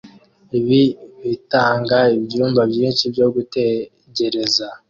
Ibi bitanga ibyumba byinshi byo gutegereza